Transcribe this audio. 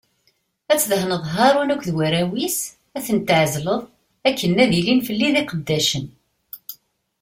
Ad tdehneḍ Haṛun akked warraw-is, ad ten-tɛezleḍ akken ad ilin fell-i d iqeddacen.